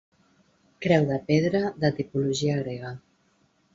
Creu de pedra de tipologia grega.